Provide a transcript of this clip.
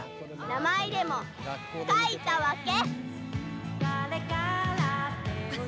名前でも書いたわけ？